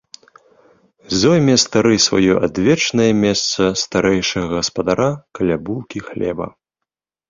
Зойме стары сваё адвечнае месца старэйшага гаспадара каля булкі хлеба.